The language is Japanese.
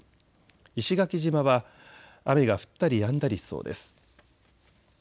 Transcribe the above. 石垣島は雨が降ったりやんだりしそうです。